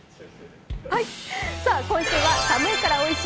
今週は寒いからおいしい！